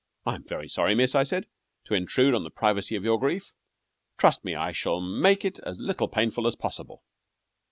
"I'm very sorry, miss," I said, "to intrude on the privacy of your grief. Trust me, I shall make it as little painful as possible."